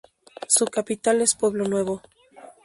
Su capital es Pueblo Nuevo.